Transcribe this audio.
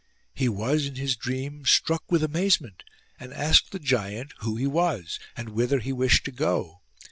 He was, in his dream, struck with amazement and he asked the giant who he was and whither he wished to go.